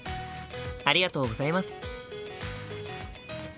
ありがとうございます。